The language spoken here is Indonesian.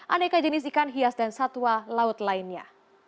aneka jenis ikan hias dan satwa laut lainnya